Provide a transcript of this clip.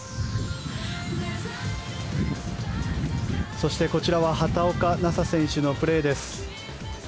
そして、こちらは畑岡奈紗選手のプレーです。